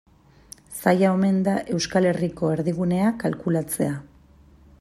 Zaila omen da Euskal Herriko erdigunea kalkulatzea.